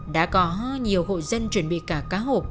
đã có nhiều hội dân chuẩn bị cả cá hộp